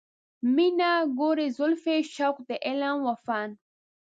مینه، ګورې زلفې، شوق د علم و فن